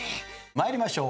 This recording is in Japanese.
参りましょう。